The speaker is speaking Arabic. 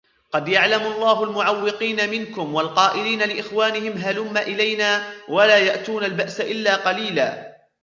قد يعلم الله المعوقين منكم والقائلين لإخوانهم هلم إلينا ولا يأتون البأس إلا قليلا